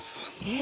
え！